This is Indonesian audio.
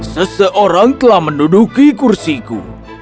seseorang telah menduduki kursiku